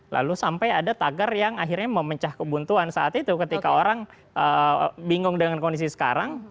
lalu sampai ada tagar yang akhirnya memecah kebuntuan saat itu ketika orang bingung dengan kondisi sekarang